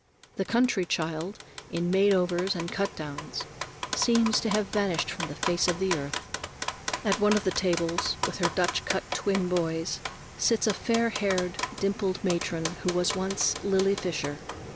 The country child, in made overs and cut downs, seems to have vanished from the face of the earth. At one of the tables, with her Dutch cut twin boys, sits a fair haired, dimpled matron who was once Lily Fisher.